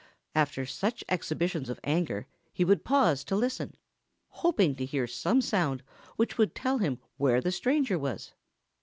After such exhibitions of anger he would pause to listen, hoping to hear some sound which would tell him where the stranger was.